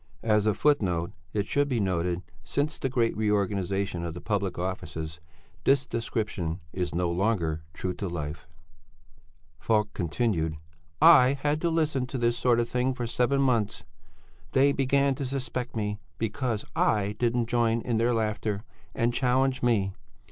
[A]" [A] Since the great reorganization of the public offices, this description is no longer true to life. "I had to listen to this sort of thing for seven months; they began to suspect me because I didn't join in their laughter, and challenged me.